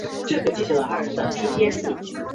瘰鳞蛇主要进食鱼类。